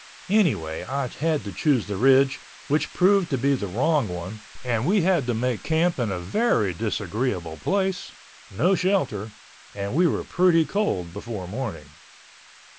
Anyway I had to choose the ridge, which proved to be the wrong one and we had to make camp in a very disagreeable place—no shelter—and we were pretty cold before morning.